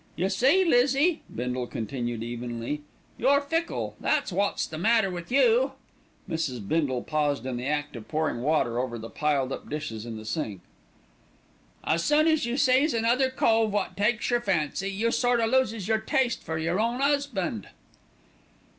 You see, Lizzie," Bindle continued evenly, "you're fickle, that's wot's the matter with you." Mrs. Bindle paused in the act of pouring water over the piled up dishes in the sink. "As soon as you sees another cove wot takes your fancy, you sort o' loses your taste for your own 'usband."